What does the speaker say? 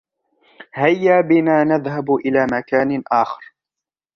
هيا بنا نذهب إلى مكان آخر.